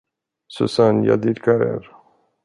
Susanne, jag dyrkar er!